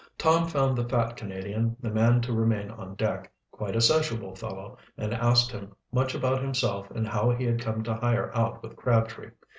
Tom found the fat Canadian, the man to remain on deck, quite a sociable fellow, and asked him much about himself and how he had come to hire out with Crabtree.